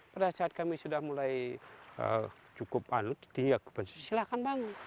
pada saat kami sudah mulai cukup anut tinggal kepensu silahkan bangun